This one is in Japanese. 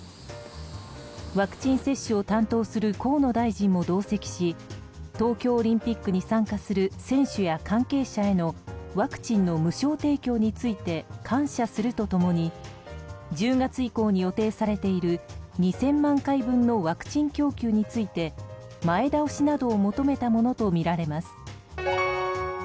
ワクチン接種を担当する河野大臣も同席し東京オリンピックに参加する選手や関係者へのワクチンの無償提供について感謝すると共に１０月以降に予定されている２０００万回分のワクチン供給について前倒しなどを求めたものとみられます。